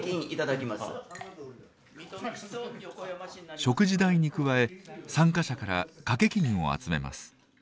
食事代に加え参加者から掛金を集めます。